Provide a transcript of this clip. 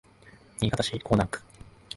新潟市江南区